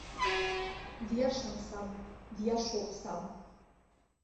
Диашан саб, диашоуп саб!